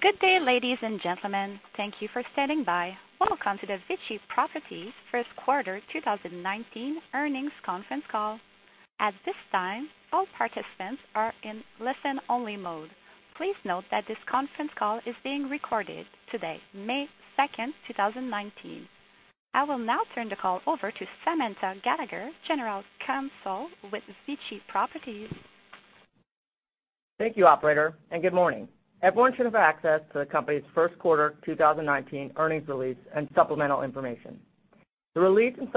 Good day, ladies and gentlemen. Thank you for standing by. Welcome to the VICI Properties first quarter 2019 earnings conference call. At this time, all participants are in listen-only mode. Please note that this conference call is being recorded today, May 2nd, 2019. I will now turn the call over to Samantha Gallagher, General Counsel with VICI Properties. Thank you, operator, and good morning. Everyone should have access to the company's first quarter 2019 earnings release and supplemental information. The release and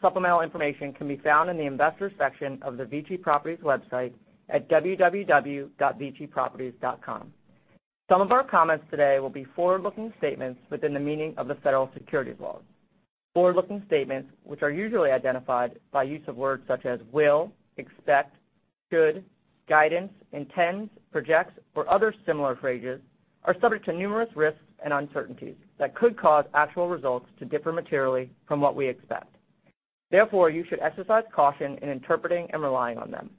supplemental information can be found in the investors section of the viciproperties.com website. Some of our comments today will be forward-looking statements within the meaning of the federal securities laws. Forward-looking statements, which are usually identified by use of words such as will, expect, should, guidance, intends, projects, or other similar phrases, are subject to numerous risks and uncertainties that could cause actual results to differ materially from what we expect. Therefore, you should exercise caution in interpreting and relying on them.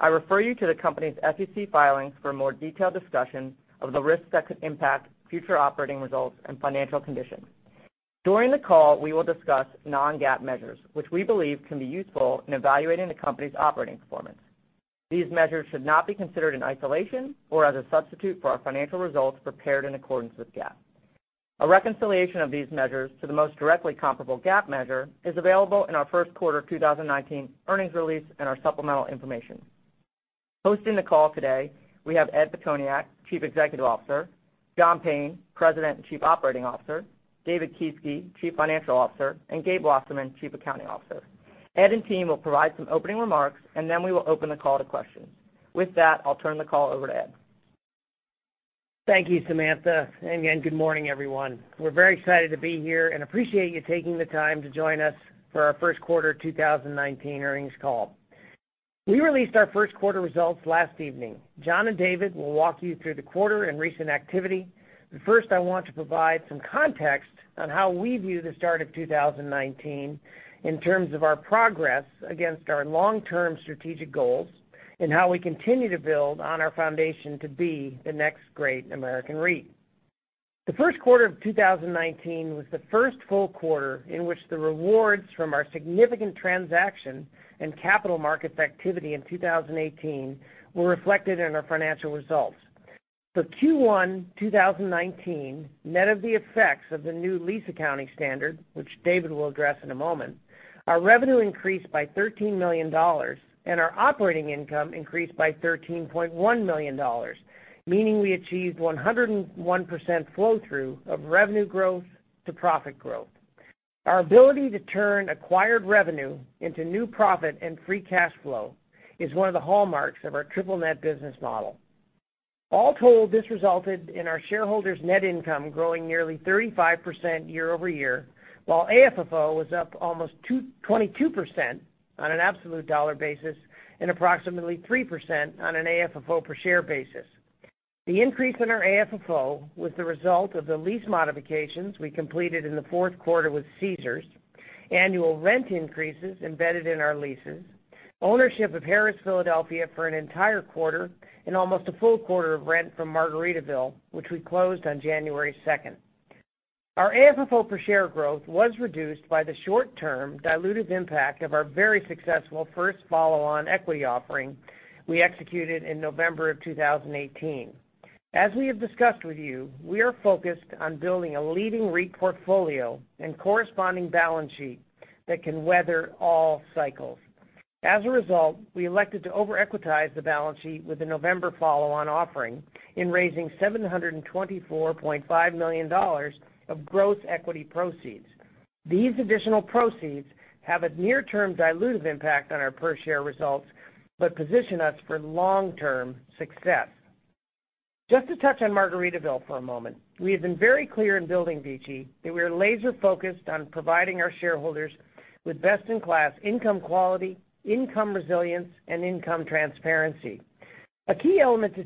I refer you to the company's SEC filings for more detailed discussion of the risks that could impact future operating results and financial conditions. During the call, we will discuss non-GAAP measures, which we believe can be useful in evaluating the company's operating performance. These measures should not be considered in isolation or as a substitute for our financial results prepared in accordance with GAAP. A reconciliation of these measures to the most directly comparable GAAP measure is available in our first quarter 2019 earnings release and our supplemental information. Hosting the call today, we have Edward Pitoniak, Chief Executive Officer, John Payne, President and Chief Operating Officer, David Kieske, Chief Financial Officer, and Gabriel Wasserman, Chief Accounting Officer. Ed and team will provide some opening remarks, and then we will open the call to questions. With that, I'll turn the call over to Ed. Thank you, Samantha, and again, good morning, everyone. We're very excited to be here and appreciate you taking the time to join us for our first quarter 2019 earnings call. We released our first quarter results last evening. John and David will walk you through the quarter and recent activity, but first I want to provide some context on how we view the start of 2019 in terms of our progress against our long-term strategic goals, and how we continue to build on our foundation to be the next great American REIT. The first quarter of 2019 was the first full quarter in which the rewards from our significant transaction and capital markets activity in 2018 were reflected in our financial results. For Q1 2019, net of the effects of the new lease accounting standard, which David will address in a moment, our revenue increased by $13 million, and our operating income increased by $13.1 million, meaning we achieved 101% flow-through of revenue growth to profit growth. Our ability to turn acquired revenue into new profit and free cash flow is one of the hallmarks of our triple-net business model. All told, this resulted in our shareholders' net income growing nearly 35% year-over-year, while AFFO was up almost 22% on an absolute dollar basis and approximately 3% on an AFFO per share basis. The increase in our AFFO was the result of the lease modifications we completed in the fourth quarter with Caesars, annual rent increases embedded in our leases, ownership of Harrah's Philadelphia for an entire quarter, and almost a full quarter of rent from Margaritaville, which we closed on January 2nd. Our AFFO per share growth was reduced by the short-term dilutive impact of our very successful first follow-on equity offering we executed in November of 2018. As we have discussed with you, we are focused on building a leading REIT portfolio and corresponding balance sheet that can weather all cycles. As a result, we elected to over-equitize the balance sheet with the November follow-on offering in raising $724.5 million of gross equity proceeds. These additional proceeds have a near-term dilutive impact on our per share results but position us for long-term success. Just to touch on Margaritaville for a moment. We have been very clear in building VICI that we are laser-focused on providing our shareholders with best-in-class income quality, income resilience, and income transparency. A key element to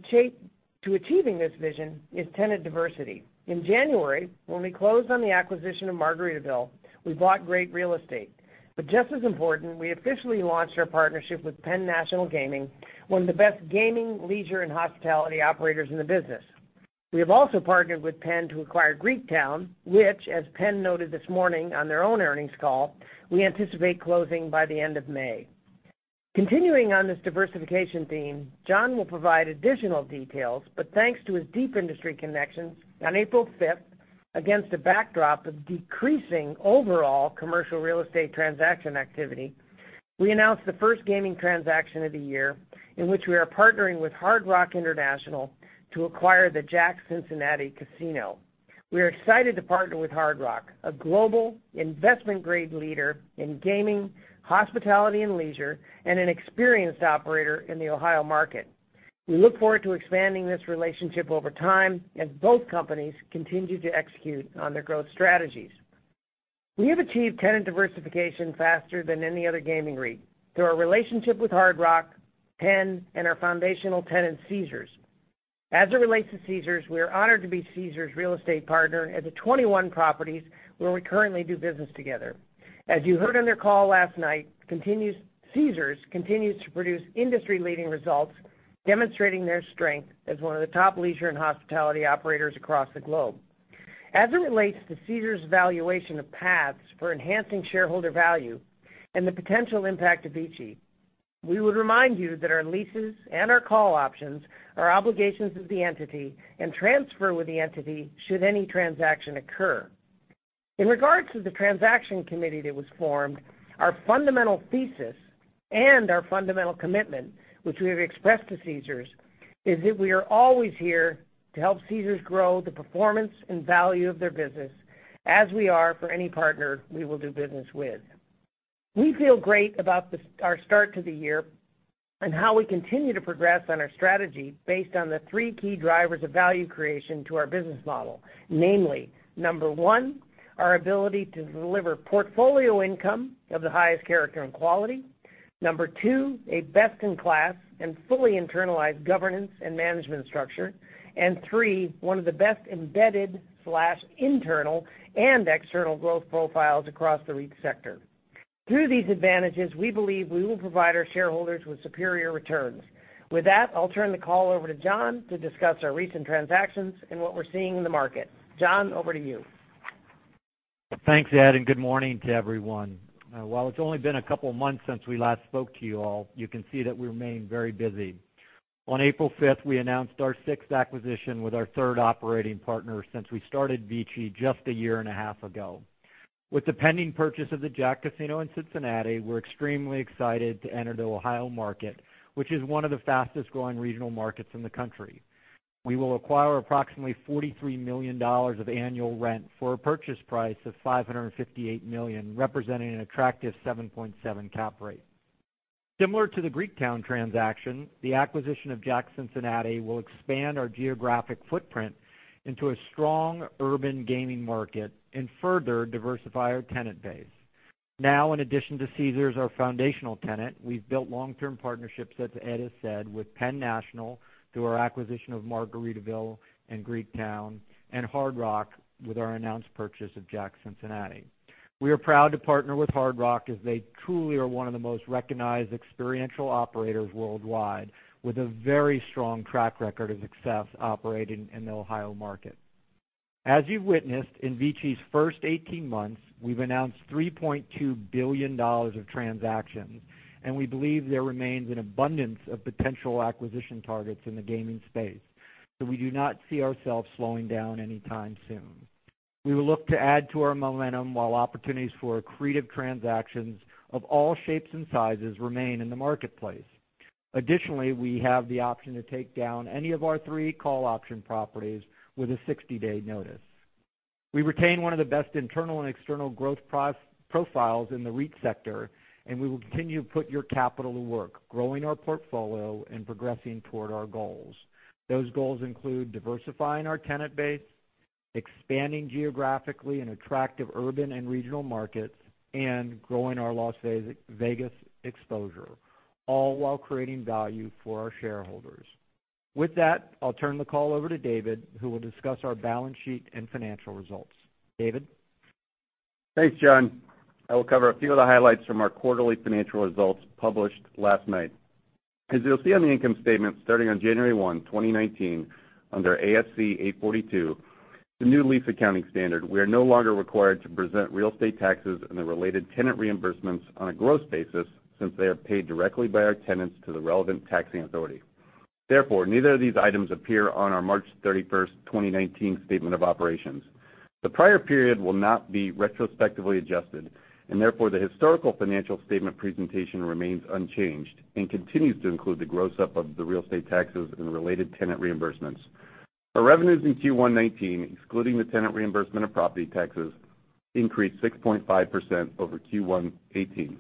achieving this vision is tenant diversity. In January, when we closed on the acquisition of Margaritaville, we bought great real estate, but just as important, we officially launched our partnership with Penn National Gaming, one of the best gaming, leisure, and hospitality operators in the business. We have also partnered with Penn to acquire Greektown, which, as Penn noted this morning on their own earnings call, we anticipate closing by the end of May. Continuing on this diversification theme, John will provide additional details, but thanks to his deep industry connections, on April 5th, against a backdrop of decreasing overall commercial real estate transaction activity, we announced the first gaming transaction of the year in which we are partnering with Hard Rock International to acquire the JACK Cincinnati Casino. We are excited to partner with Hard Rock, a global investment-grade leader in gaming, hospitality, and leisure, and an experienced operator in the Ohio market. We look forward to expanding this relationship over time as both companies continue to execute on their growth strategies. We have achieved tenant diversification faster than any other gaming REIT through our relationship with Hard Rock, Penn, and our foundational tenant, Caesars. As it relates to Caesars, we are honored to be Caesars' real estate partner at the 21 properties where we currently do business together. As you heard on their call last night, Caesars continues to produce industry-leading results, demonstrating their strength as one of the top leisure and hospitality operators across the globe. As it relates to Caesars' valuation of paths for enhancing shareholder value and the potential impact of VICI, we would remind you that our leases and our call options are obligations of the entity and transfer with the entity should any transaction occur. In regards to the transaction committee that was formed, our fundamental thesis and our fundamental commitment, which we have expressed to Caesars, is that we are always here to help Caesars grow the performance and value of their business, as we are for any partner we will do business with. We feel great about our start to the year and how we continue to progress on our strategy based on the three key drivers of value creation to our business model, namely, number one, our ability to deliver portfolio income of the highest character and quality. Number two, a best-in-class and fully internalized governance and management structure. Three, one of the best embedded/internal and external growth profiles across the REIT sector. Through these advantages, we believe we will provide our shareholders with superior returns. With that, I'll turn the call over to John to discuss our recent transactions and what we're seeing in the market. John, over to you. Thanks, Ed. Good morning to everyone. While it's only been a couple of months since we last spoke to you all, you can see that we remain very busy. On April 5th, we announced our sixth acquisition with our third operating partner since we started VICI just a year and a half ago. With the pending purchase of the JACK Casino in Cincinnati, we're extremely excited to enter the Ohio market, which is one of the fastest-growing regional markets in the country. We will acquire approximately $43 million of annual rent for a purchase price of $558 million, representing an attractive 7.7 cap rate. Similar to the Greektown transaction, the acquisition of JACK Cincinnati will expand our geographic footprint into a strong urban gaming market and further diversify our tenant base. In addition to Caesars, our foundational tenant, we've built long-term partnerships, as Ed has said, with Penn National through our acquisition of Margaritaville and Greektown, and Hard Rock with our announced purchase of JACK Cincinnati. We are proud to partner with Hard Rock as they truly are one of the most recognized experiential operators worldwide, with a very strong track record of success operating in the Ohio market. As you've witnessed in VICI's first 18 months, we've announced $3.2 billion of transactions. We believe there remains an abundance of potential acquisition targets in the gaming space, we do not see ourselves slowing down anytime soon. We will look to add to our momentum while opportunities for accretive transactions of all shapes and sizes remain in the marketplace. Additionally, we have the option to take down any of our three call option properties with a 60-day notice. We retain one of the best internal and external growth profiles in the REIT sector, and we will continue to put your capital to work, growing our portfolio and progressing toward our goals. Those goals include diversifying our tenant base, expanding geographically in attractive urban and regional markets, and growing our Las Vegas exposure, all while creating value for our shareholders. With that, I'll turn the call over to David, who will discuss our balance sheet and financial results. David? Thanks, John. I will cover a few of the highlights from our quarterly financial results published last night. As you'll see on the income statement, starting on January 1, 2019, under ASC 842, the new lease accounting standard, we are no longer required to present real estate taxes and the related tenant reimbursements on a gross basis since they are paid directly by our tenants to the relevant taxing authority. Therefore, neither of these items appear on our March 31, 2019, statement of operations. The prior period will not be retrospectively adjusted, and therefore, the historical financial statement presentation remains unchanged and continues to include the gross-up of the real estate taxes and related tenant reimbursements. Our revenues in Q1 2019, excluding the tenant reimbursement of property taxes, increased 6.5% over Q1 2018.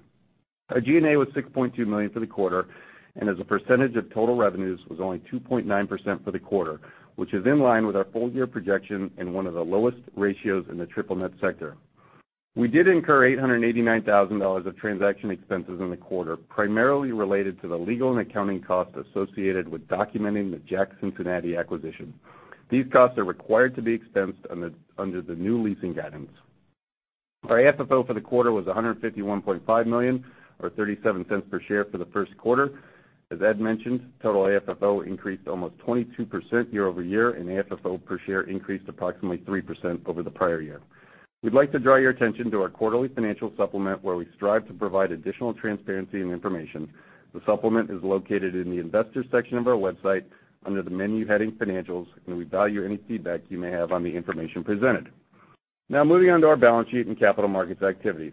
Our G&A was $6.2 million for the quarter, and as a percentage of total revenues, was only 2.9% for the quarter, which is in line with our full-year projection and one of the lowest ratios in the triple-net sector. We did incur $889,000 of transaction expenses in the quarter, primarily related to the legal and accounting costs associated with documenting the JACK Cincinnati acquisition. These costs are required to be expensed under the new leasing guidance. Our FFO for the quarter was $151.5 million, or $0.37 per share for the first quarter. As Ed mentioned, total FFO increased almost 22% year-over-year, and FFO per share increased approximately 3% over the prior year. We'd like to draw your attention to our quarterly financial supplement where we strive to provide additional transparency and information. The supplement is located in the Investors section of our website under the menu heading Financials, and we value any feedback you may have on the information presented. Moving on to our balance sheet and capital markets activities.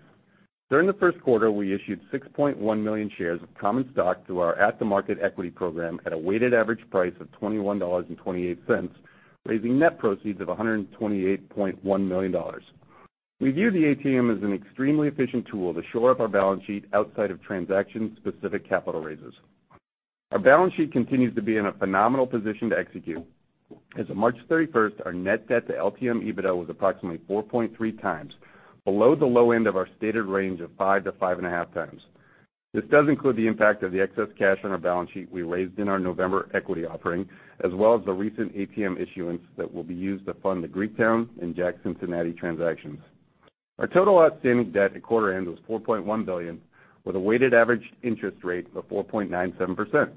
During the first quarter, we issued 6.1 million shares of common stock through our at-the-market equity program at a weighted average price of $21.28, raising net proceeds of $128.1 million. We view the ATM as an extremely efficient tool to shore up our balance sheet outside of transaction-specific capital raises. Our balance sheet continues to be in a phenomenal position to execute. As of March 31st, our net debt to LTM EBITDA was approximately 4.3 times, below the low end of our stated range of 5 to 5.5 times. This does include the impact of the excess cash on our balance sheet we raised in our November equity offering, as well as the recent ATM issuance that will be used to fund the Greektown and JACK Cincinnati transactions. Our total outstanding debt at quarter end was $4.1 billion, with a weighted average interest rate of 4.97%.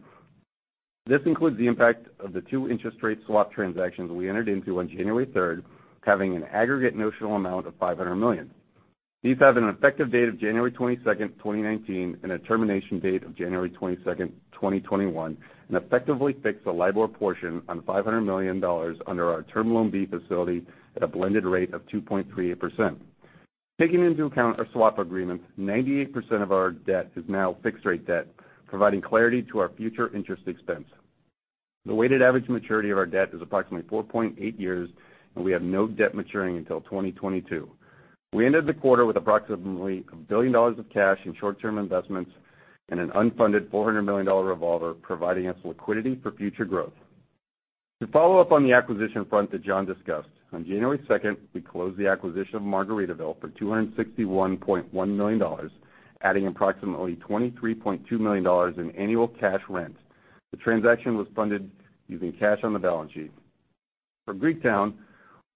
This includes the impact of the two interest rate swap transactions we entered into on January 3rd, having an aggregate notional amount of $500 million. These have an effective date of January 22nd, 2019, and a termination date of January 22nd, 2021, and effectively fixed the LIBOR portion on $500 million under our Term Loan B facility at a blended rate of 2.38%. Taking into account our swap agreements, 98% of our debt is now fixed-rate debt, providing clarity to our future interest expense. The weighted average maturity of our debt is approximately 4.8 years, and we have no debt maturing until 2022. We ended the quarter with approximately $1 billion of cash and short-term investments and an unfunded $400 million revolver, providing us liquidity for future growth. To follow up on the acquisition front that John discussed, on January 2nd, we closed the acquisition of Margaritaville for $261.1 million, adding approximately $23.2 million in annual cash rent. The transaction was funded using cash on the balance sheet. For Greektown,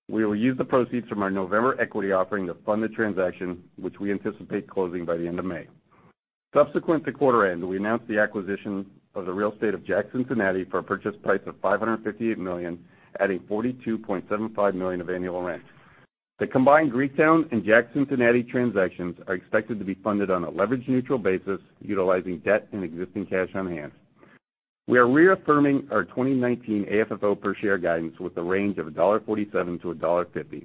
we will use the proceeds from our November equity offering to fund the transaction, which we anticipate closing by the end of May. Subsequent to quarter end, we announced the acquisition of the real estate of JACK Cincinnati for a purchase price of $558 million, adding $42.75 million of annual rent. The combined Greektown and JACK Cincinnati transactions are expected to be funded on a leverage-neutral basis utilizing debt and existing cash on hand. We are reaffirming our 2019 AFFO per share guidance with a range of $1.47 to $1.50.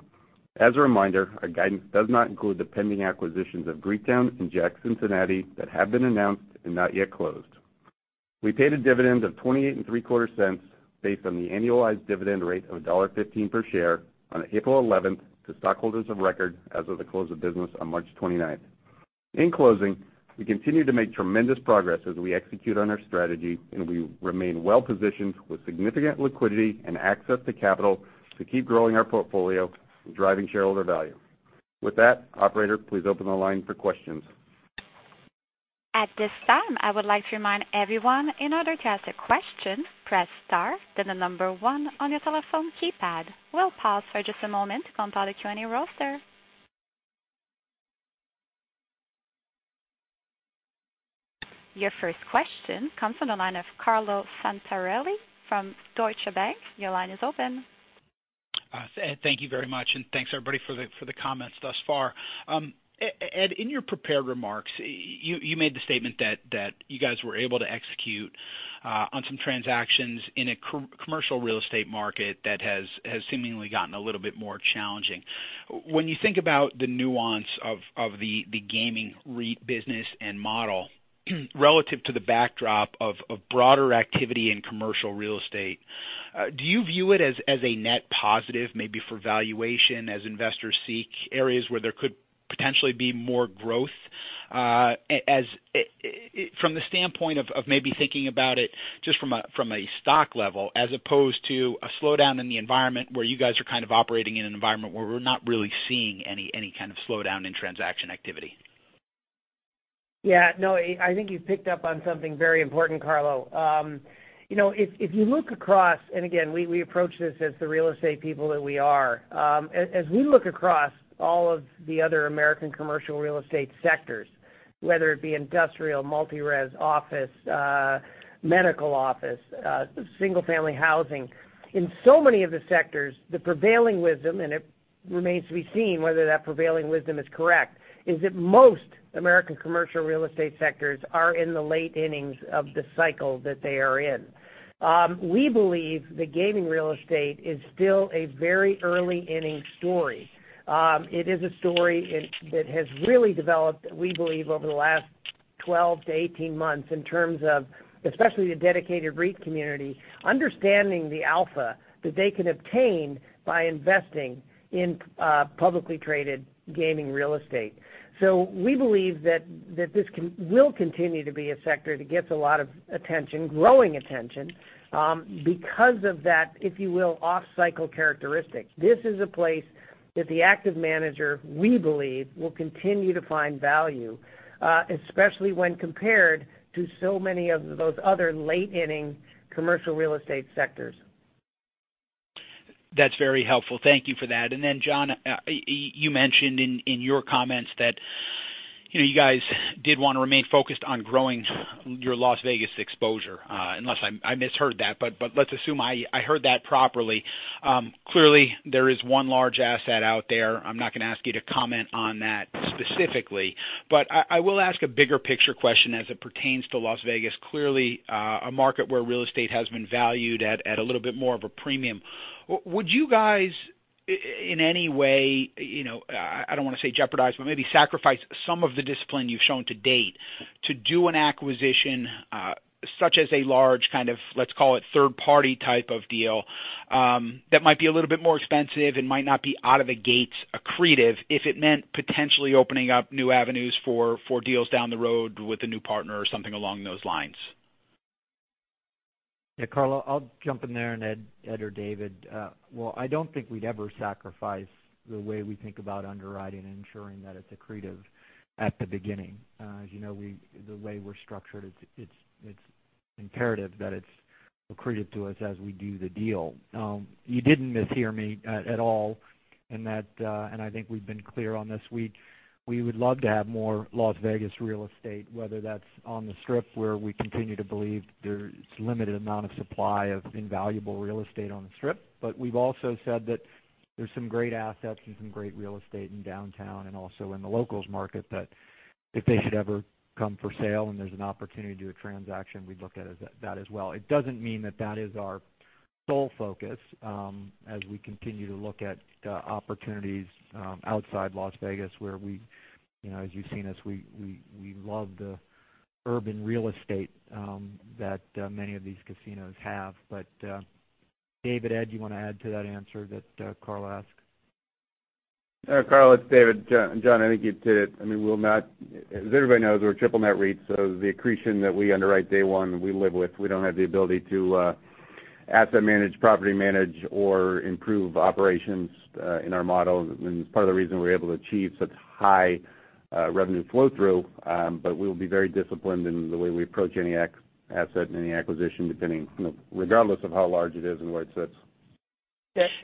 As a reminder, our guidance does not include the pending acquisitions of Greektown and JACK Cincinnati that have been announced and not yet closed. We paid a dividend of 28 and three-quarter cents based on the annualized dividend rate of $1.15 per share on April 11th to stockholders of record as of the close of business on March 29th. In closing, we continue to make tremendous progress as we execute on our strategy. We remain well-positioned with significant liquidity and access to capital to keep growing our portfolio and driving shareholder value. With that, operator, please open the line for questions. At this time, I would like to remind everyone, in order to ask a question, press star, then the number one on your telephone keypad. We'll pause for just a moment to compile a Q&A roster. Your first question comes from the line of Carlo Santarelli from Deutsche Bank. Your line is open. Thank you very much, thanks, everybody, for the comments thus far. Ed, in your prepared remarks, you made the statement that you guys were able to execute on some transactions in a commercial real estate market that has seemingly gotten a little bit more challenging. When you think about the nuance of the gaming REIT business and model relative to the backdrop of broader activity in commercial real estate, do you view it as a net positive, maybe for valuation, as investors seek areas where there could potentially be more growth? From the standpoint of maybe thinking about it just from a stock level as opposed to a slowdown in the environment where you guys are kind of operating in an environment where we're not really seeing any kind of slowdown in transaction activity. Yeah. I think you've picked up on something very important, Carlo. If you look across, again, we approach this as the real estate people that we are. As we look across all of the other American commercial real estate sectors, whether it be industrial, multi-res, office, medical office, single-family housing. In so many of the sectors, the prevailing wisdom, and it remains to be seen whether that prevailing wisdom is correct, is that most American commercial real estate sectors are in the late innings of the cycle that they are in. We believe that gaming real estate is still a very early inning story. It is a story that has really developed, we believe, over the last 12-18 months in terms of, especially the dedicated REIT community, understanding the alpha that they can obtain by investing in publicly traded gaming real estate. We believe that this will continue to be a sector that gets a lot of attention, growing attention, because of that, if you will, off-cycle characteristic. This is a place that the active manager, we believe, will continue to find value, especially when compared to so many of those other late-inning commercial real estate sectors. That's very helpful. Thank you for that. John, you mentioned in your comments that you guys did want to remain focused on growing your Las Vegas exposure. Unless I misheard that, but let's assume I heard that properly. There is one large asset out there. I'm not going to ask you to comment on that specifically, but I will ask a bigger picture question as it pertains to Las Vegas. A market where real estate has been valued at a little bit more of a premium. Would you guys, in any way, I don't want to say jeopardize, but maybe sacrifice some of the discipline you've shown to date to do an acquisition such as a large kind of, let's call it, third-party type of deal that might be a little bit more expensive and might not be out of the gates accretive if it meant potentially opening up new avenues for deals down the road with a new partner or something along those lines? Carlo, I'll jump in there, and Ed or David. I don't think we'd ever sacrifice the way we think about underwriting and ensuring that it's accretive at the beginning. As you know, the way we're structured, it's imperative that it's accretive to us as we do the deal. You didn't mishear me at all in that. I think we've been clear on this. We would love to have more Las Vegas real estate, whether that's on the Strip, where we continue to believe there's a limited amount of supply of invaluable real estate on the Strip. We've also said that there's some great assets and some great real estate in Downtown and also in the locals market that if they should ever come for sale and there's an opportunity to do a transaction, we'd look at that as well. It doesn't mean that that is our sole focus as we continue to look at opportunities outside Las Vegas, where we, as you've seen us, we love the urban real estate that many of these casinos have. David, Ed, do you want to add to that answer that Carlo asked? Carlo, it's David. John, I think you did it. As everybody knows, we're a triple-net REIT, the accretion that we underwrite day one, we live with. We don't have the ability to asset manage, property manage, or improve operations in our model. It's part of the reason we're able to achieve such high revenue flow through, but we'll be very disciplined in the way we approach any asset and any acquisition depending, regardless of how large it is and where it sits.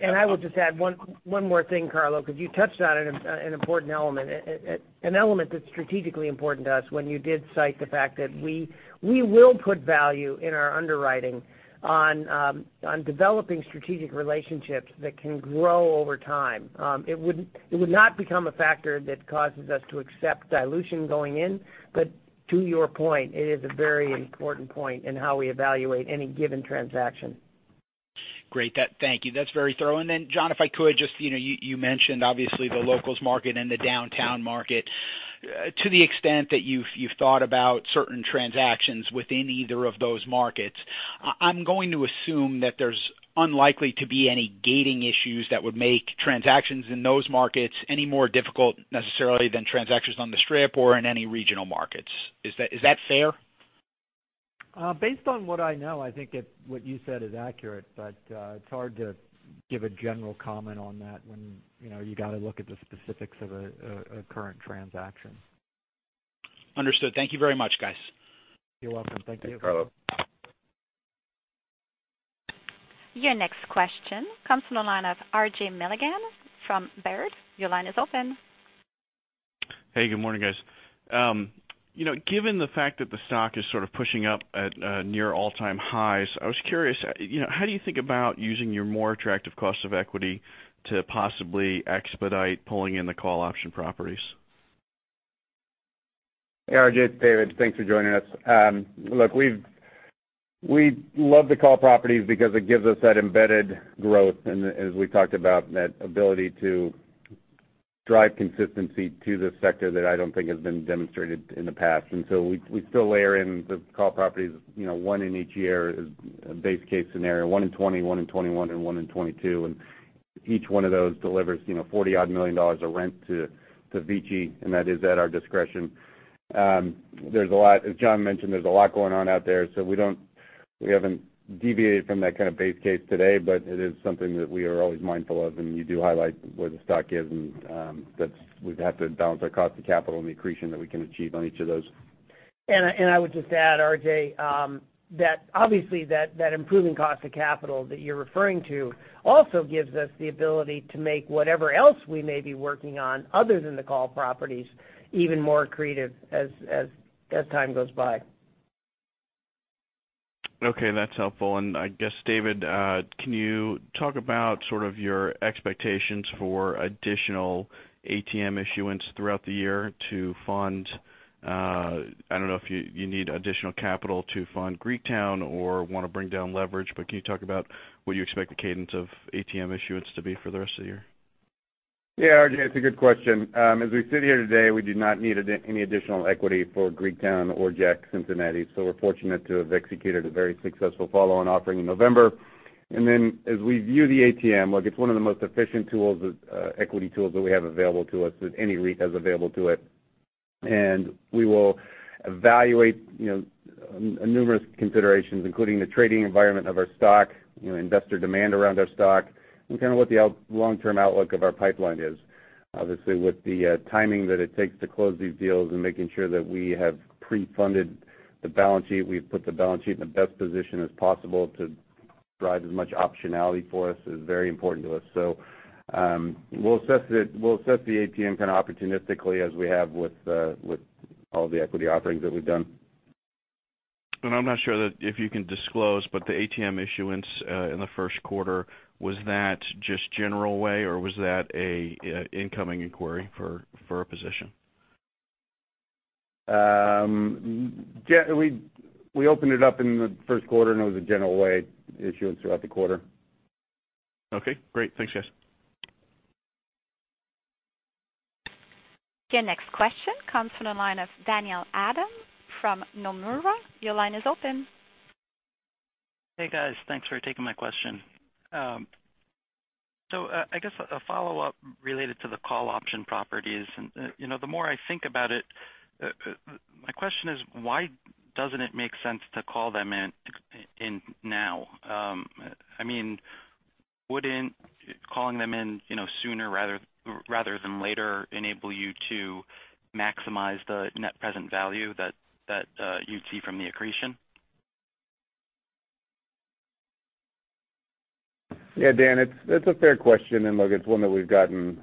I would just add one more thing, Carlo, because you touched on an important element, an element that's strategically important to us when you did cite the fact that we will put value in our underwriting on developing strategic relationships that can grow over time. It would not become a factor that causes us to accept dilution going in. To your point, it is a very important point in how we evaluate any given transaction. Great. Thank you. That's very thorough. John, if I could just, you mentioned, obviously, the locals market and the Downtown market. To the extent that you've thought about certain transactions within either of those markets, I'm going to assume that there's unlikely to be any gating issues that would make transactions in those markets any more difficult necessarily than transactions on the Strip or in any regional markets. Is that fair? Based on what I know, I think what you said is accurate, it's hard to give a general comment on that when you've got to look at the specifics of a current transaction. Understood. Thank you very much, guys. You're welcome. Thank you. Thank you, Carlo. Your next question comes from the line of R.J. Milligan from Baird. Your line is open. Hey, good morning, guys. Given the fact that the stock is sort of pushing up at near all-time highs, I was curious, how do you think about using your more attractive cost of equity to possibly expedite pulling in the call option properties? Hey, R.J., it's David. Thanks for joining us. Look, we love the call properties because it gives us that embedded growth, as we talked about, that ability to drive consistency to the sector that I don't think has been demonstrated in the past. We still layer in the call properties, one in each year is base case scenario, one in 2020, one in 2021, and one in 2022, and each one of those delivers $40-odd million of rent to VICI, and that is at our discretion. As John mentioned, there's a lot going on out there, so we haven't deviated from that kind of base case today, but it is something that we are always mindful of, and you do highlight where the stock is, and we'd have to balance our cost of capital and the accretion that we can achieve on each of those. I would just add, R.J., that obviously that improving cost of capital that you're referring to also gives us the ability to make whatever else we may be working on, other than the call properties, even more accretive as time goes by. Okay, that's helpful. I guess, David, can you talk about sort of your expectations for additional ATM issuance throughout the year to fund, I don't know if you need additional capital to fund Greektown or want to bring down leverage, but can you talk about what you expect the cadence of ATM issuance to be for the rest of the year? R.J., it's a good question. As we sit here today, we do not need any additional equity for Greektown or JACK Cincinnati. We're fortunate to have executed a very successful follow-on offering in November. As we view the ATM, look, it's one of the most efficient equity tools that we have available to us, that any REIT has available to it. We will evaluate numerous considerations, including the trading environment of our stock, investor demand around our stock, and kind of what the long-term outlook of our pipeline is. With the timing that it takes to close these deals and making sure that we have pre-funded the balance sheet, we've put the balance sheet in the best position as possible to drive as much optionality for us is very important to us. We'll assess the ATM kind of opportunistically as we have with all of the equity offerings that we've done. I'm not sure if you can disclose, but the ATM issuance in the first quarter, was that just general way, or was that an incoming inquiry for a position? We opened it up in the first quarter, and it was a general way issuance throughout the quarter. Okay, great. Thanks, guys. Your next question comes from the line of Daniel Adam from Nomura. Your line is open. Hey, guys, thanks for taking my question. I guess a follow-up related to the call option properties. The more I think about it, my question is, why doesn't it make sense to call them in now? Wouldn't calling them in sooner rather than later enable you to maximize the net present value that you'd see from the accretion? Yeah, Dan, it's a fair question, and look, it's one that we've gotten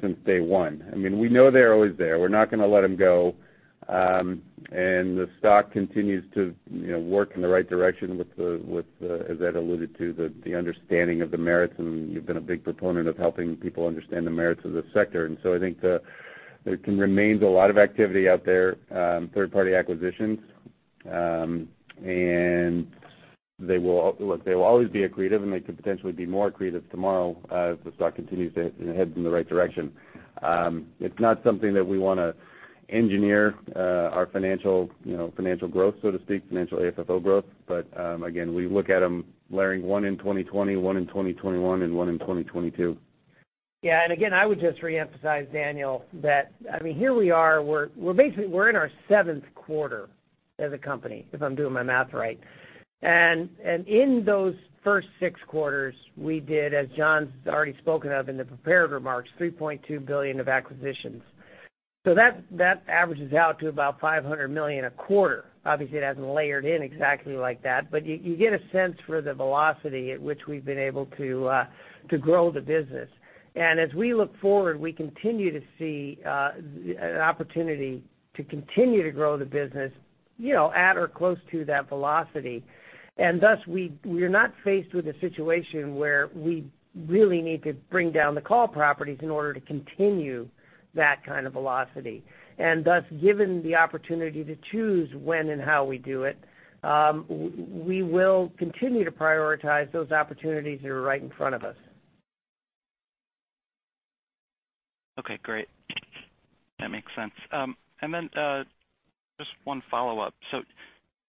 since day one. We know they're always there. We're not going to let them go. The stock continues to work in the right direction with the, as Ed alluded to, the understanding of the merits, and you've been a big proponent of helping people understand the merits of this sector. I think there remains a lot of activity out there, third-party acquisitions, and they will always be accretive, and they could potentially be more accretive tomorrow as the stock continues to head in the right direction. It's not something that we want to engineer our financial growth, so to speak, financial AFFO growth. Again, we look at them layering one in 2020, one in 2021, and one in 2022. Yeah. Again, I would just reemphasize, Daniel, that here we are, we're in our seventh quarter as a company, if I'm doing my math right. In those first six quarters, we did, as John's already spoken of in the prepared remarks, $3.2 billion of acquisitions. That averages out to about $500 million a quarter. Obviously, it hasn't layered in exactly like that, but you get a sense for the velocity at which we've been able to grow the business. As we look forward, we continue to see an opportunity to continue to grow the business at or close to that velocity. Thus, we are not faced with a situation where we really need to bring down the core properties in order to continue that kind of velocity. Thus, given the opportunity to choose when and how we do it, we will continue to prioritize those opportunities that are right in front of us. Okay, great. That makes sense. Then just one follow-up.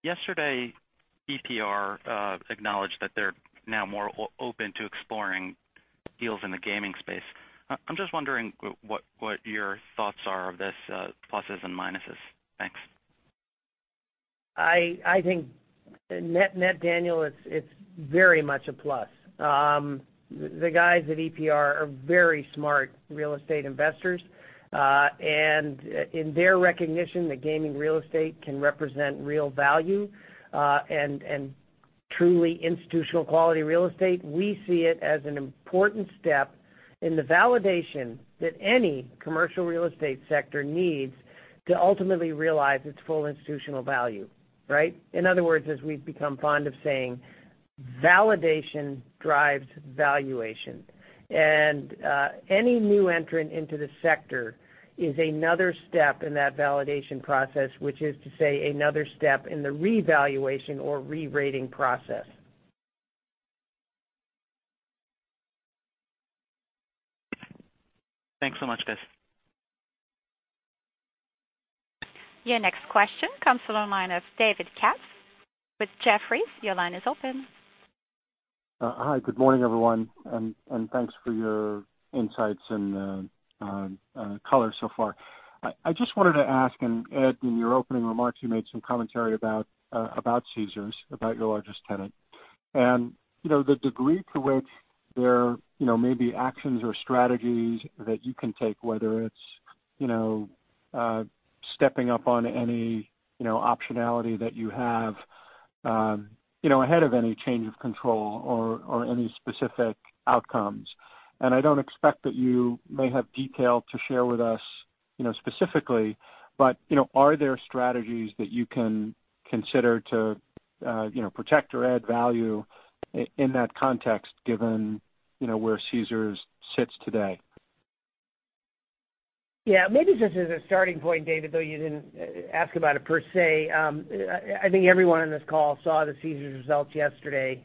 Yesterday, EPR acknowledged that they're now more open to exploring deals in the gaming space. I'm just wondering what your thoughts are of this, pluses and minuses. Thanks. I think net, Daniel, it's very much a plus. The guys at EPR are very smart real estate investors, in their recognition that gaming real estate can represent real value, truly institutional quality real estate, we see it as an important step in the validation that any commercial real estate sector needs to ultimately realize its full institutional value. Right? In other words, as we've become fond of saying, validation drives valuation. Any new entrant into the sector is another step in that validation process, which is to say, another step in the revaluation or re-rating process. Thanks so much, guys. Your next question comes from the line of David Katz with Jefferies. Your line is open. Hi. Good morning, everyone, and thanks for your insights and color so far. I just wanted to ask, Ed, in your opening remarks, you made some commentary about Caesars, about your largest tenant. The degree to which there may be actions or strategies that you can take, whether it's stepping up on any optionality that you have ahead of any change of control or any specific outcomes. I don't expect that you may have detail to share with us specifically, but are there strategies that you can consider to protect or add value in that context, given where Caesars sits today? Yeah. Maybe just as a starting point, David, though you didn't ask about it per se. I think everyone on this call saw the Caesars results yesterday,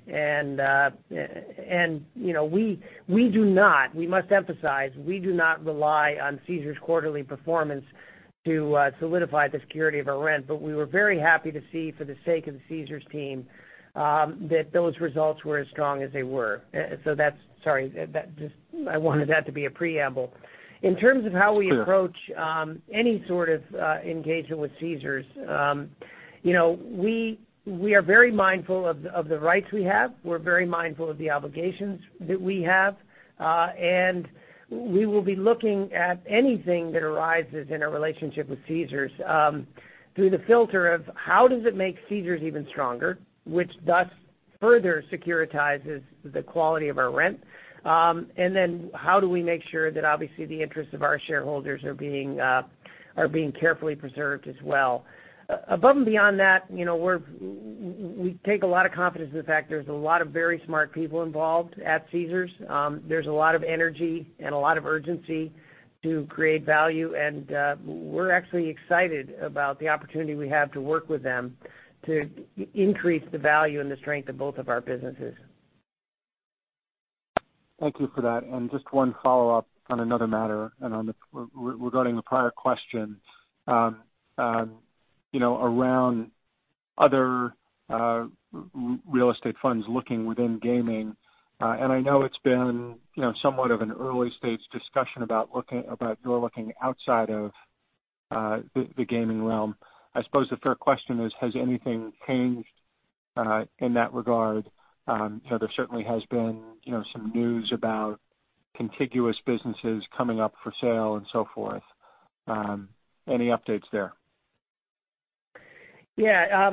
We must emphasize, we do not rely on Caesars' quarterly performance to solidify the security of our rent. We were very happy to see for the sake of the Caesars team, that those results were as strong as they were. Sorry, I wanted that to be a preamble. In terms of how we approach any sort of engagement with Caesars, we are very mindful of the rights we have. We're very mindful of the obligations that we have. We will be looking at anything that arises in our relationship with Caesars through the filter of how does it make Caesars even stronger, which thus further securitizes the quality of our rent. How do we make sure that obviously the interests of our shareholders are being carefully preserved as well. Above and beyond that, we take a lot of confidence in the fact there's a lot of very smart people involved at Caesars. There's a lot of energy and a lot of urgency to create value, and we're actually excited about the opportunity we have to work with them to increase the value and the strength of both of our businesses. Thank you for that. Just one follow-up on another matter and regarding the prior question around other real estate funds looking within gaming. I know it's been, somewhat of an early-stage discussion about you're looking outside of the gaming realm. I suppose the fair question is, has anything changed in that regard? There certainly has been some news about contiguous businesses coming up for sale and so forth. Any updates there? Yeah.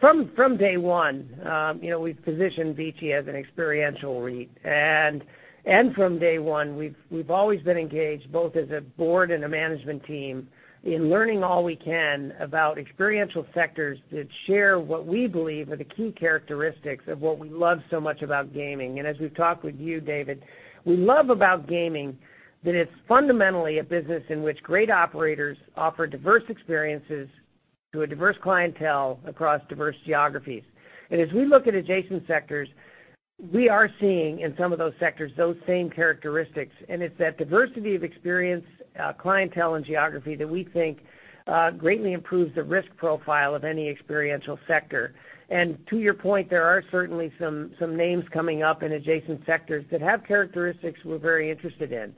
From day one, we've positioned VICI as an experiential REIT, from day one, we've always been engaged, both as a board and a management team, in learning all we can about experiential sectors that share what we believe are the key characteristics of what we love so much about gaming. As we've talked with you, David, we love about gaming that it's fundamentally a business in which great operators offer diverse experiences to a diverse clientele across diverse geographies. As we look at adjacent sectors, we are seeing, in some of those sectors, those same characteristics, and it's that diversity of experience, clientele, and geography that we think greatly improves the risk profile of any experiential sector. To your point, there are certainly some names coming up in adjacent sectors that have characteristics we're very interested in.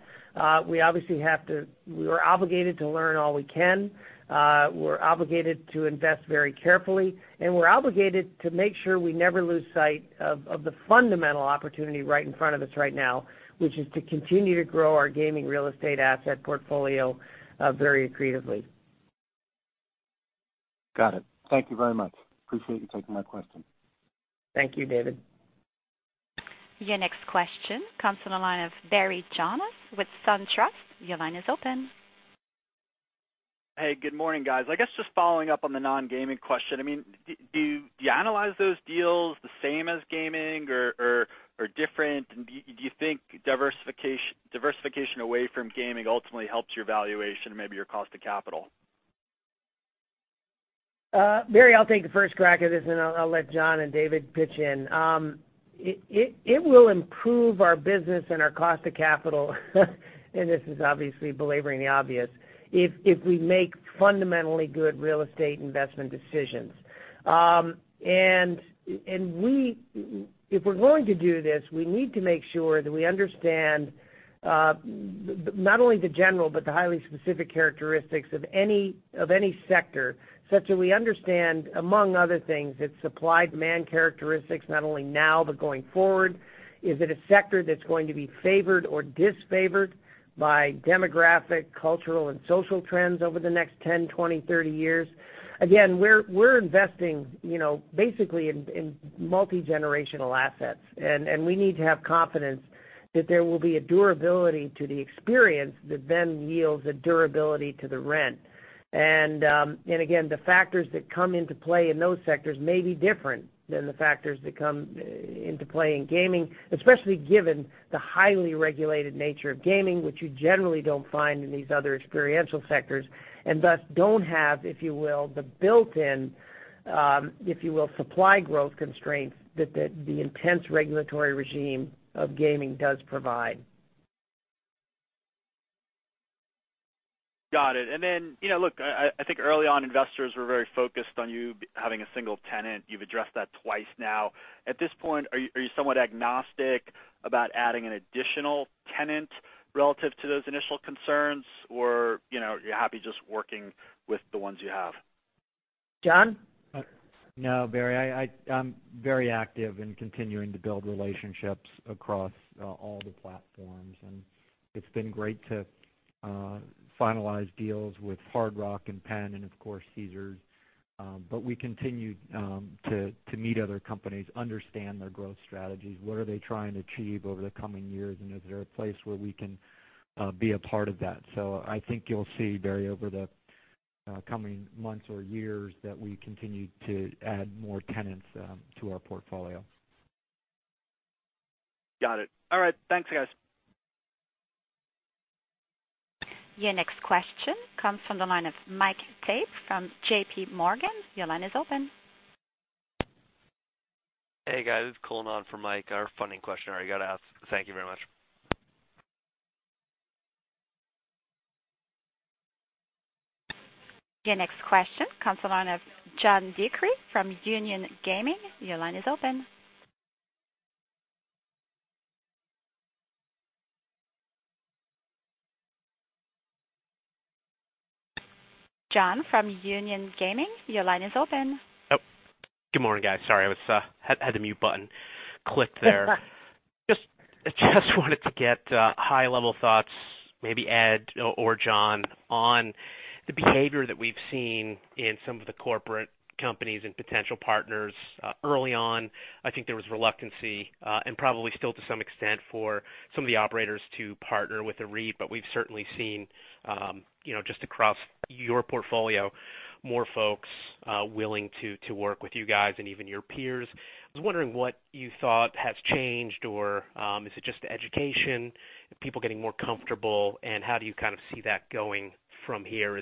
We are obligated to learn all we can. We're obligated to invest very carefully, and we're obligated to make sure we never lose sight of the fundamental opportunity right in front of us right now, which is to continue to grow our gaming real estate asset portfolio very accretively. Got it. Thank you very much. Appreciate you taking my question. Thank you, David. Your next question comes from the line of Barry Jonas with SunTrust. Your line is open. Hey, good morning, guys. I guess just following up on the non-gaming question, do you analyze those deals the same as gaming or different? Do you think diversification away from gaming ultimately helps your valuation, maybe your cost of capital? Barry, I'll take the first crack at this, then I'll let John and David pitch in. It will improve our business and our cost of capital, this is obviously belaboring the obvious, if we make fundamentally good real estate investment decisions. If we're going to do this, we need to make sure that we understand not only the general but the highly specific characteristics of any sector, such that we understand, among other things, its supply/demand characteristics, not only now but going forward. Is it a sector that's going to be favored or disfavored by demographic, cultural, and social trends over the next 10, 20, 30 years? Again, we're investing basically in multi-generational assets, we need to have confidence that there will be a durability to the experience that then yields a durability to the rent. Again, the factors that come into play in those sectors may be different than the factors that come into play in gaming, especially given the highly regulated nature of gaming, which you generally don't find in these other experiential sectors, thus don't have, if you will, the built-in supply growth constraints that the intense regulatory regime of gaming does provide. Got it. Then, look, I think early on, investors were very focused on you having a single tenant. You've addressed that twice now. At this point, are you somewhat agnostic about adding an additional tenant relative to those initial concerns? You're happy just working with the ones you have? John? Barry, I'm very active in continuing to build relationships across all the platforms, it's been great to finalize deals with Hard Rock and Penn and, of course, Caesars. We continue to meet other companies, understand their growth strategies, what are they trying to achieve over the coming years, and is there a place where we can be a part of that? I think you'll see, Barry, over the coming months or years, that we continue to add more tenants to our portfolio. Got it. All right. Thanks, guys. Your next question comes from the line of Mike Tate from JPMorgan. Your line is open. Hey, guys. Calling on for Mike. Our funding question I already got to ask. Thank you very much. Your next question comes from the line of John DeCree from Union Gaming. Your line is open. John from Union Gaming, your line is open. Good morning, guys. Sorry, I had the mute button clicked there. Just wanted to get high-level thoughts, maybe Ed or John, on the behavior that we've seen in some of the corporate companies and potential partners. Early on, I think there was reluctance, and probably still to some extent, for some of the operators to partner with a REIT, but we've certainly seen, just across your portfolio, more folks willing to work with you guys and even your peers. I was wondering what you thought has changed, or is it just education, people getting more comfortable, and how do you see that going from here?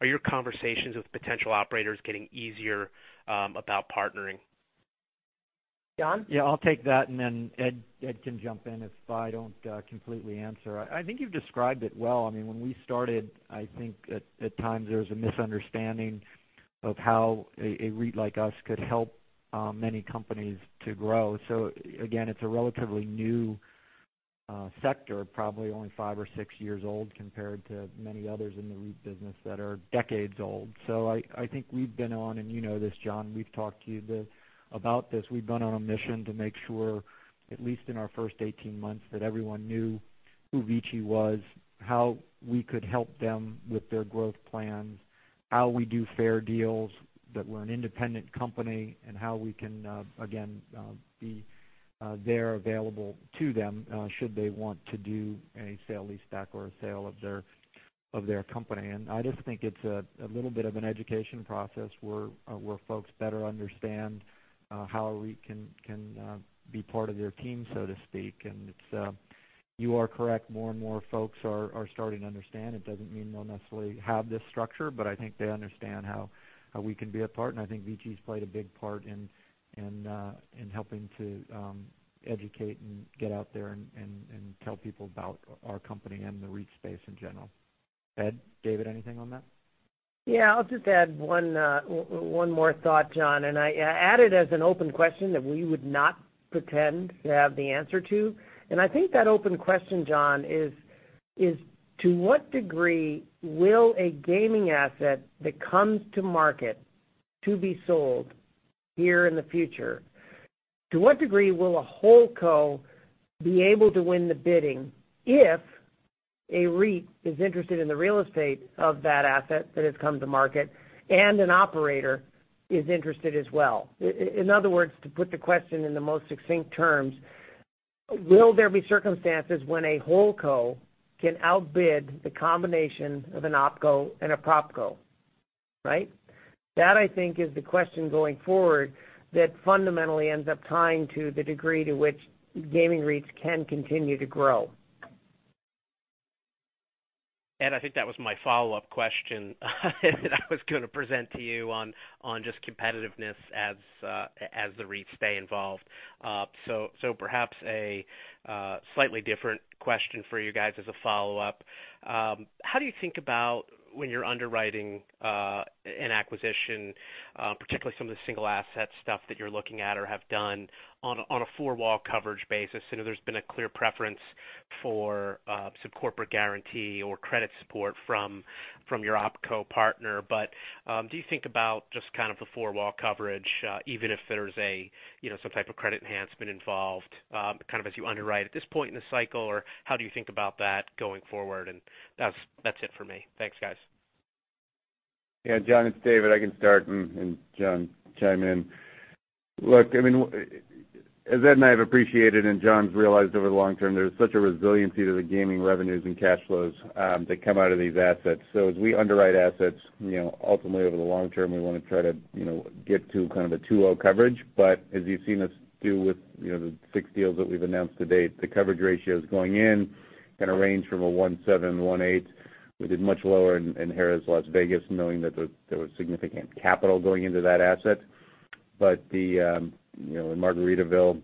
Are your conversations with potential operators getting easier about partnering? John? I'll take that, and then Ed can jump in if I don't completely answer. I think you've described it well. When we started, I think at times there was a misunderstanding of how a REIT like us could help many companies to grow. Again, it's a relatively new sector, probably only five or six years old, compared to many others in the REIT business that are decades old. I think we've been on, and you know this, John, we've talked to you about this, we've been on a mission to make sure, at least in our first 18 months, that everyone knew who VICI was, how we could help them with their growth plans, how we do fair deals, that we're an independent company, and how we can, again, be there available to them should they want to do a sale-leaseback or a sale of their company. I just think it's a little bit of an education process where folks better understand how a REIT can be part of their team, so to speak. You are correct, more and more folks are starting to understand. It doesn't mean they'll necessarily have this structure, but I think they understand how we can be a part. I think VICI's played a big part in helping to educate and get out there and tell people about our company and the REIT space in general. Ed, David, anything on that? I'll just add one more thought, John, and I add it as an open question that we would not pretend to have the answer to. I think that open question, John, is to what degree will a gaming asset that comes to market to be sold here in the future, to what degree will a holdco be able to win the bidding if a REIT is interested in the real estate of that asset that has come to market and an operator is interested as well? In other words, to put the question in the most succinct terms, will there be circumstances when a holdco can outbid the combination of an OpCo and a PropCo, right? That, I think, is the question going forward that fundamentally ends up tying to the degree to which gaming REITs can continue to grow. Ed, I think that was my follow-up question that I was going to present to you on just competitiveness as the REITs stay involved. Perhaps a slightly different question for you guys as a follow-up. How do you think about when you're underwriting an acquisition, particularly some of the single-asset stuff that you're looking at or have done on a four-wall coverage basis? I know there's been a clear preference for some corporate guarantee or credit support from your OpCo partner. Do you think about just kind of the four-wall coverage, even if there's some type of credit enhancement involved, kind of as you underwrite at this point in the cycle, or how do you think about that going forward? That's it for me. Thanks, guys. John, it's David. I can start, and John, chime in. Look, as Ed and I have appreciated and John's realized over the long term, there's such a resiliency to the gaming revenues and cash flows that come out of these assets. As we underwrite assets, ultimately over the long term, we want to try to get to kind of a 2.0 coverage. As you've seen us do with the six deals that we've announced to date, the coverage ratios going in kind of range from a 1.7 to 1.8. We did much lower in Harrah's Las Vegas, knowing that there was significant capital going into that asset. In Margaritaville,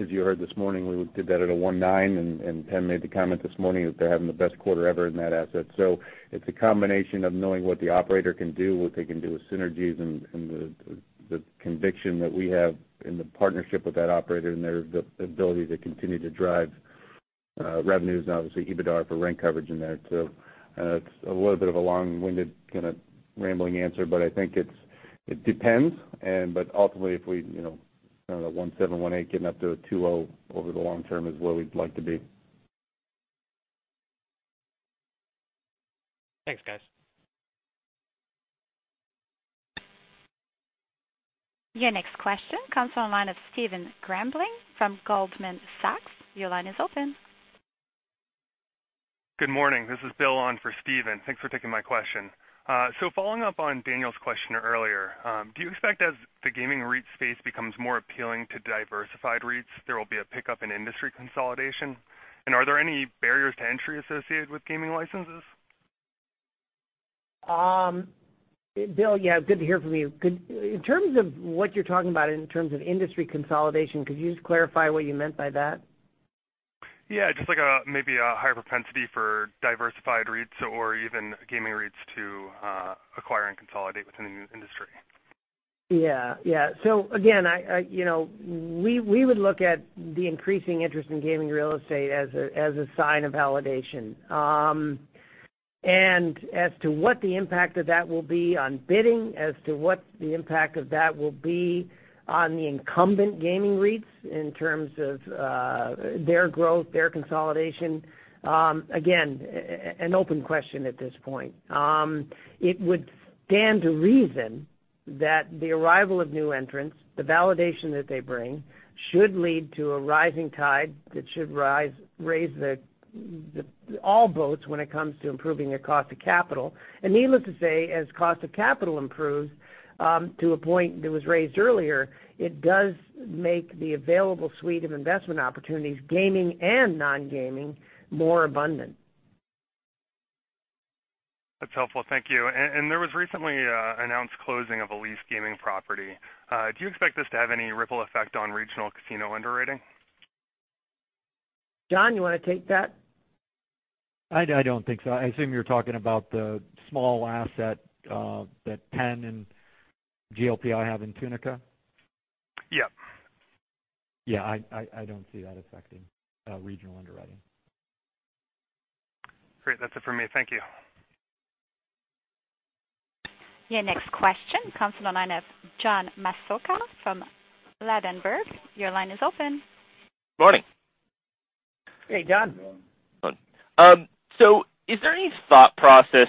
as you heard this morning, we did that at a 1.9, and Tim made the comment this morning that they're having the best quarter ever in that asset. It's a combination of knowing what the operator can do, what they can do with synergies, and the conviction that we have in the partnership with that operator and their ability to continue to drive revenues and obviously EBITDA for rent coverage in there too. It's a little bit of a long-winded, kind of rambling answer, I think it depends. Ultimately, if we, kind of the 1.7, 1.8, getting up to a 2.0 over the long term is where we'd like to be. Thanks, guys. Your next question comes from the line of Stephen Grambling from Goldman Sachs. Your line is open. Good morning. This is Bill on for Stephen. Thanks for taking my question. Following up on Daniel's question earlier, do you expect as the gaming REIT space becomes more appealing to diversified REITs, there will be a pickup in industry consolidation? Are there any barriers to entry associated with gaming licenses? Bill, yeah, good to hear from you. In terms of what you're talking about in terms of industry consolidation, could you just clarify what you meant by that? Just like maybe a higher propensity for diversified REITs or even gaming REITs to acquire and consolidate within the industry. Again, we would look at the increasing interest in gaming real estate as a sign of validation. As to what the impact of that will be on bidding, as to what the impact of that will be on the incumbent gaming REITs in terms of their growth, their consolidation, again, an open question at this point. It would stand to reason that the arrival of new entrants, the validation that they bring, should lead to a rising tide that should raise all boats when it comes to improving their cost of capital. Needless to say, as cost of capital improves, to a point that was raised earlier, it does make the available suite of investment opportunities, gaming and non-gaming, more abundant. That's helpful. Thank you. There was recently a announced closing of a lease gaming property. Do you expect this to have any ripple effect on regional casino underwriting? John, you want to take that? I don't think so. I assume you're talking about the small asset that Penn and GLPI have in Tunica. Yep. Yeah. I don't see that affecting regional underwriting. Great. That's it for me. Thank you. Your next question comes from the line of John Massocca from Ladenburg. Your line is open. Morning. Hey, John. Morning. Is there any thought process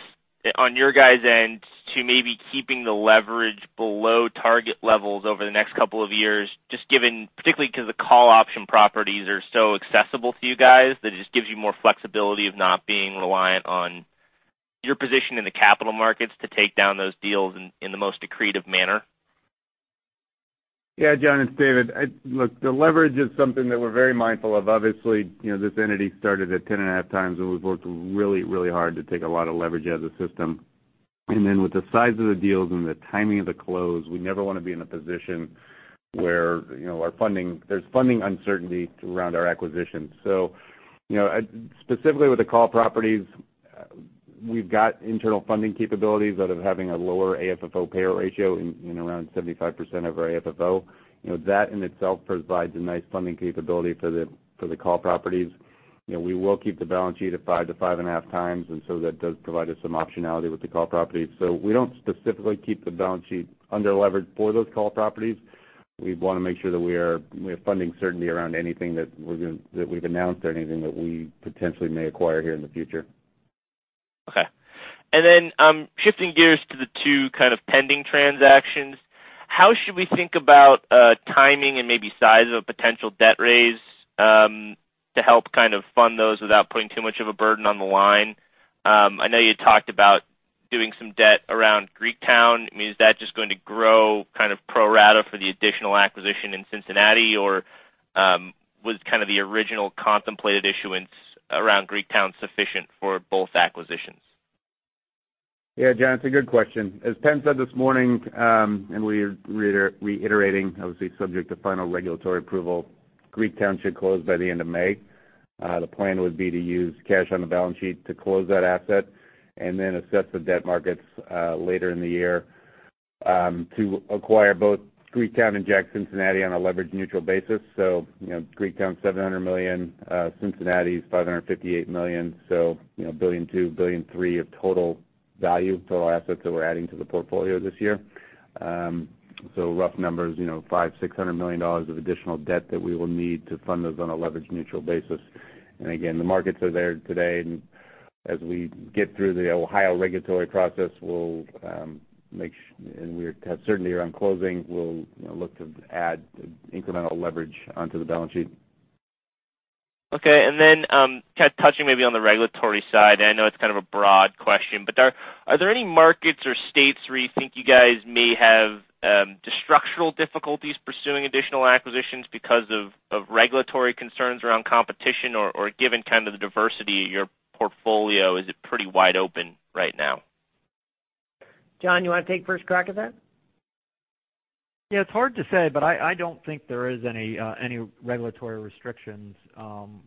on your guys' end to maybe keeping the leverage below target levels over the next couple of years, just given particularly because the call option properties are so accessible to you guys, that it just gives you more flexibility of not being reliant on your position in the capital markets to take down those deals in the most accretive manner? Yeah, John, it's David. Look, the leverage is something that we're very mindful of. Obviously, this entity started at 10.5x, we've worked really hard to take a lot of leverage out of the system. With the size of the deals and the timing of the close, we never want to be in a position where there's funding uncertainty around our acquisitions. Specifically with the call properties, we've got internal funding capabilities out of having a lower AFFO payout ratio in around 75% of our AFFO. That in itself provides a nice funding capability for the call properties. We will keep the balance sheet at 5x-5.5x, that does provide us some optionality with the call properties. We don't specifically keep the balance sheet under-leveraged for those call properties. We want to make sure that we have funding certainty around anything that we've announced or anything that we potentially may acquire here in the future. Then, shifting gears to the two pending transactions, how should we think about timing and maybe size of a potential debt raise, to help fund those without putting too much of a burden on the line? I know you talked about doing some debt around Greektown. I mean, is that just going to grow kind of pro rata for the additional acquisition in Cincinnati? Was kind of the original contemplated issuance around Greektown sufficient for both acquisitions? Yeah, John, it's a good question. As Penn said this morning, and we're reiterating, obviously subject to final regulatory approval, Greektown should close by the end of May. The plan would be to use cash on the balance sheet to close that asset and then assess the debt markets later in the year to acquire both Greektown and JACK Cincinnati on a leverage-neutral basis. Greektown's $700 million, Cincinnati's $558 million, so $ billion two, $ billion three of total value, total assets that we're adding to the portfolio this year. Rough numbers, $500 million-$600 million of additional debt that we will need to fund those on a leverage-neutral basis. Again, the markets are there today, and as we get through the Ohio regulatory process and we have certainty around closing, we'll look to add incremental leverage onto the balance sheet. Then, touching maybe on the regulatory side, and I know it's kind of a broad question, but are there any markets or states where you think you guys may have structural difficulties pursuing additional acquisitions because of regulatory concerns around competition, or given the diversity of your portfolio, is it pretty wide open right now? John, you want to take first crack at that? It's hard to say, but I don't think there is any regulatory restrictions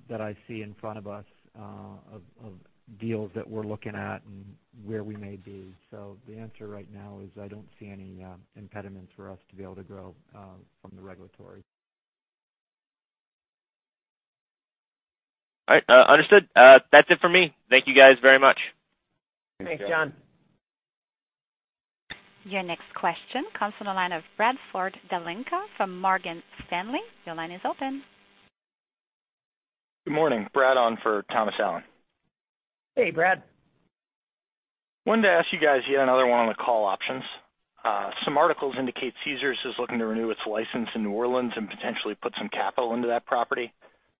that I see in front of us, of deals that we're looking at and where we may be. The answer right now is I don't see any impediments for us to be able to grow from the regulatory. All right. Understood. That's it for me. Thank you guys very much. Thanks, John. Your next question comes from the line of Bradford Dalinka from Morgan Stanley. Your line is open. Good morning. Brad on for Thomas Allen. Hey, Brad. wanted to ask you guys yet another one on the call options. Some articles indicate Caesars is looking to renew its license in New Orleans and potentially put some capital into that property.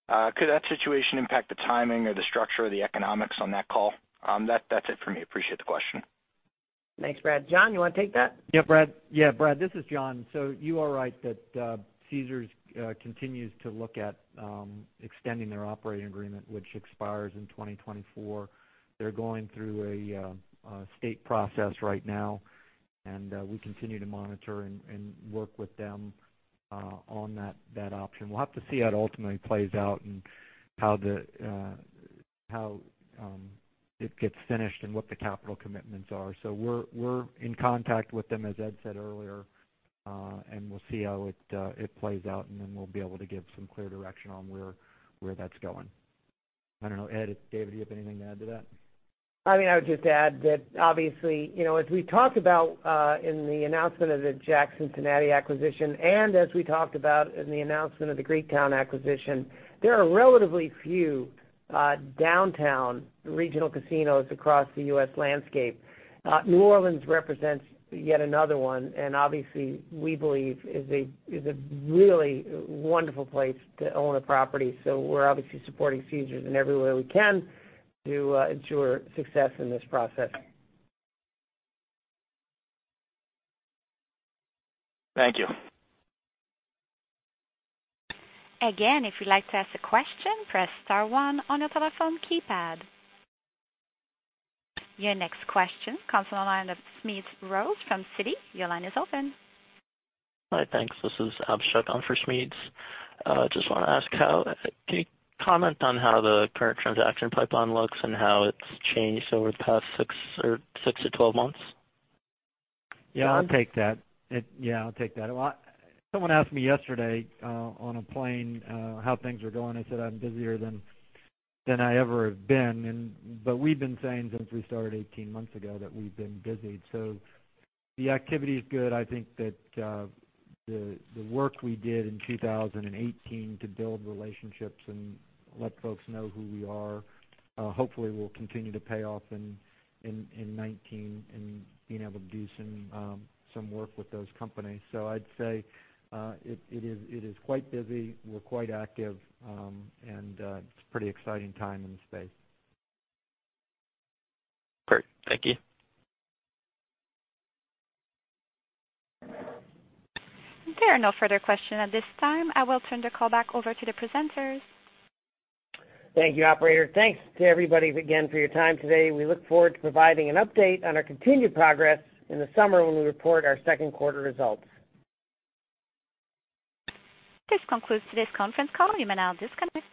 Could that situation impact the timing or the structure or the economics on that call? That's it for me. I appreciate the question. Thanks, Brad. John, you want to take that? Yeah, Brad, this is John. You are right that Caesars continues to look at extending their operating agreement, which expires in 2024. They're going through a state process right now, and we continue to monitor and work with them on that option. We'll have to see how it ultimately plays out and how it gets finished and what the capital commitments are. We're in contact with them, as Ed said earlier, and we'll see how it plays out and then we'll be able to give some clear direction on where that's going. I don't know, Ed, David, you have anything to add to that? I mean, I would just add that obviously, as we talked about in the announcement of the JACK Cincinnati acquisition and as we talked about in the announcement of the Greektown acquisition, there are relatively few downtown regional casinos across the U.S. landscape. New Orleans represents yet another one, and obviously, we believe is a really wonderful place to own a property. We're obviously supporting Caesars in every way we can to ensure success in this process. Thank you. Again, if you'd like to ask a question, press star one on your telephone keypad. Your next question comes from the line of Smedes Rose from Citi. Your line is open. Hi, thanks. This is Abhishek on for Smedes. Just want to ask, can you comment on how the current transaction pipeline looks and how it's changed over the past 6-12 months? Yeah, I'll take that. Someone asked me yesterday on a plane how things were going. I said I'm busier than I ever have been. We've been saying since we started 18 months ago that we've been busy. The activity is good. I think that the work we did in 2018 to build relationships and let folks know who we are, hopefully will continue to pay off in 2019 in being able to do some work with those companies. I'd say, it is quite busy. We're quite active. It's a pretty exciting time in the space. Great. Thank you. There are no further questions at this time. I will turn the call back over to the presenters. Thank you, operator. Thanks to everybody again for your time today. We look forward to providing an update on our continued progress in the summer when we report our second quarter results. This concludes today's conference call. You may now disconnect.